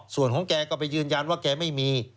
ส่วนของแกก็ไปยืนยันว่าแกไม่มี